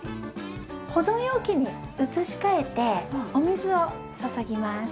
保存容器に移し替えてお水を注ぎます。